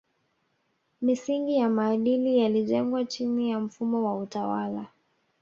Misingi ya maadili yalijengwa chini ya mfumo wa utawala